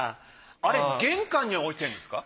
あれは玄関に置いてあるんですか？